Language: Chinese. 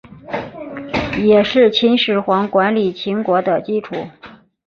也是秦始皇管理秦国的基础。